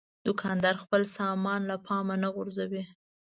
دوکاندار خپل سامان له پامه نه غورځوي.